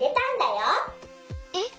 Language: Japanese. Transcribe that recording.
えっ？